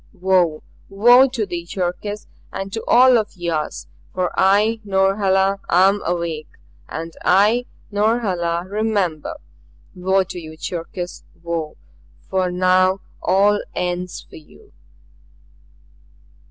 "Woe, woe to you, Cherkis, and to all of yours! For I, Norhala, am awake, and I, Norhala, remember. Woe to you, Cherkis, woe for now all ends for you!